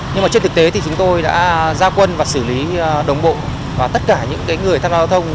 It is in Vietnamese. nhưng mà trên thực tế thì chúng tôi đã ra quân và xử lý đồng bộ và tất cả những người tham gia giao thông